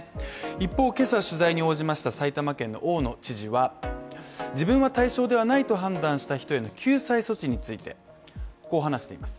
一方今朝取材に応じました埼玉県の大野知事は自分は対象ではないと判断した人への救済措置についてこう話しています。